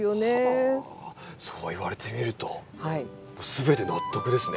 はあそう言われてみると全て納得ですね。